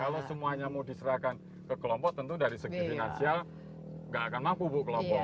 kalau semuanya mau diserahkan ke kelompok tentu dari segi finansial nggak akan mampu bu kelompok